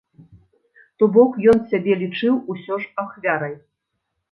То бок, ён сябе лічыў усё ж ахвярай.